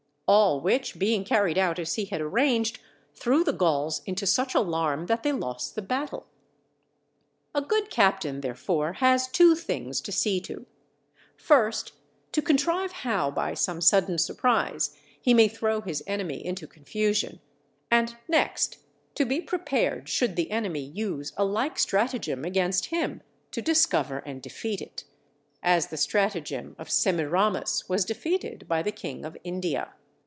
All which being carried out as he had arranged, threw the Gauls into such alarm, that they lost the battle. A good captain, therefore, has two things to see to: first, to contrive how by some sudden surprise he may throw his enemy into confusion; and next, to be prepared should the enemy use a like stratagem against him to discover and defeat it; as the stratagem of Semiramis was defeated by the King of India.